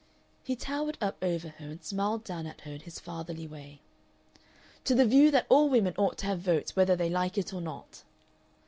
He towered up over her and smiled down at her in his fatherly way. "To the view that all women ought to have votes whether they like it or not."